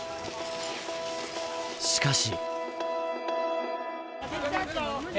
しかし。